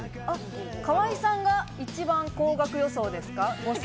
河井さんが一番高額予想ですが。